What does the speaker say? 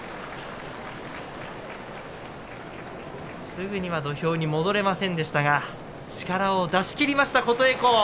すぐには土俵に戻れませんでしたが力を出し切れました、琴恵光。